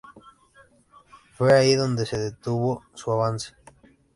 Fue ahí donde se detuvo su avance.